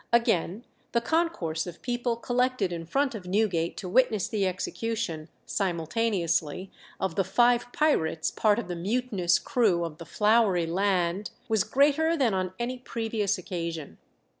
Again, the concourse of people collected in front of Newgate to witness the execution, simultaneously, of the five pirates, part of the mutinous crew of the 'Flowery Land,' was greater than on any previous occasion.